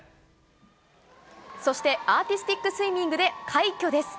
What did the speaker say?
そして、アーティスティックスイミングで快挙です。